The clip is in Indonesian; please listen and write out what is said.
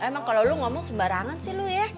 emang kalau lo ngomong sembarangan sih lu ya